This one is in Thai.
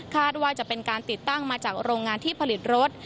ว่าจะเป็นการติดตั้งมาจากโรงงานที่ผลิตรถ